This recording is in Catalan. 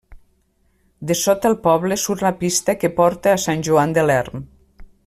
De sota el poble surt la pista que porta a Sant Joan de l'Erm.